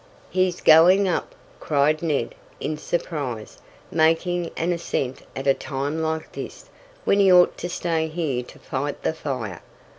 "He's going up!" cried Ned in surprise. "Making an ascent at a time like this, when he ought to stay here to fight the fire!